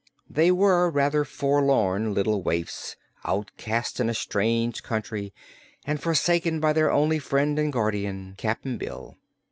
They were rather forlorn little waifs, outcasts in a strange country and forsaken by their only friend and guardian, Cap'n Bill.